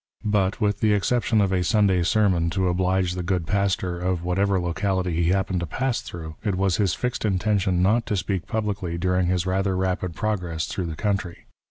But, with the exception of a Sunday sermon to oblige the good pastor of whatever locality he happened to pass through, it was his fixed intention not to speak publicly during his rather rapid progress through the country.